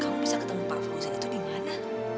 kamu bisa ketemu pak fawzi itu dimana